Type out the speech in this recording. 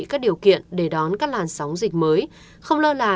các điều kiện để đón các làn sóng dịch mới không lơ là